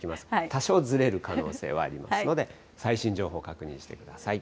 多少ずれる可能性はありますので、最新情報確認してください。